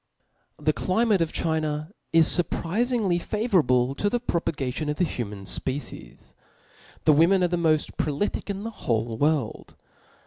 The climate of China is furprizingly favourable to the propagation of the human fpecies. The women are the moft prolific in the whole world.